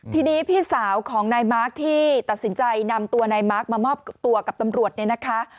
ทีนี้พี่สาวของนายมาร์คที่ตัดสินใจนำตัวนายมาร์คมามอบตัวกับตำรวจเนี่ยนะคะ